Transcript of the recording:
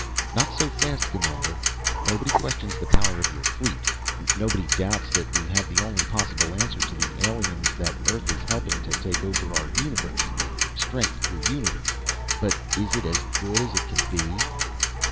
"Not so fast, commander. Nobody questions the power of your fleet. Nobody doubts that we have the only possible answer to the aliens that Earth is helping to take over our universe strength through unity. But is it as good as it can be?"